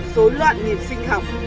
rối loạn nghiệp sinh học